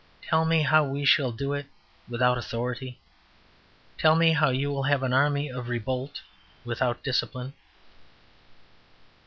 Tell me how we shall do it without authority? Tell me how you will have an army of revolt without discipline?"